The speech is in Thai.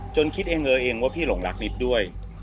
คิดเองเลยเองว่าพี่หลงรักนิดด้วย